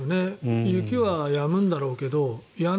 雪はやむんだろうけどやん